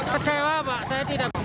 kecewa pak saya tidak